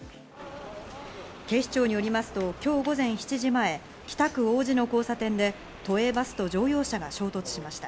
警視庁によりますと今日午前７時前、北区王子の交差点で都営バスと乗用車が衝突しました。